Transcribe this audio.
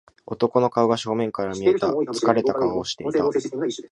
男の顔が正面から見えた。疲れた顔をしていた。